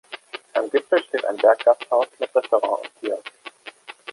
Am Gipfel steht ein Berggasthaus mit Restaurant und Kiosk.